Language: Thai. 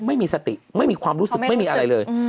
ไม่มีสติไม่มีความรู้สึกไม่มีอะไรเลย